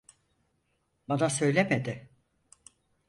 Bana söylemedi.